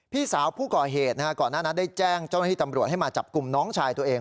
พี่สาวผู้ก่อเหตุก่อนหน้านั้นได้แจ้งเจ้าหน้าที่ตำรวจให้มาจับกลุ่มน้องชายตัวเอง